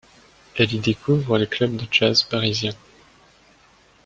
Elle y découvre les clubs de jazz parisien.